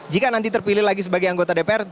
jika nanti terpilih lagi sebagai anggota dpr